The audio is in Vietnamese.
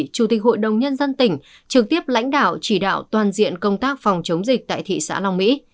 chủ tịch hội đồng nhân dân tỉnh trực tiếp lãnh đạo chỉ đạo toàn diện công tác phòng chống dịch tại thị xã long mỹ